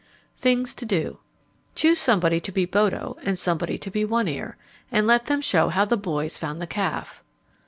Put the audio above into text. THINGS TO DO _Choose somebody to be Bodo and somebody to be One Ear, and let them show how the boys found the calf.